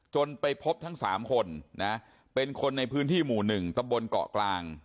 ไปพบทั้ง๓คนนะเป็นคนในพื้นที่หมู่๑ตำบลเกาะกลาง